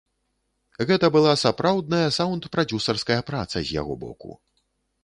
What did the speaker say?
Гэта была сапраўдная саўнд-прадзюсарская праца з яго боку.